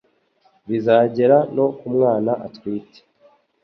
bizagera no ku mwana atwite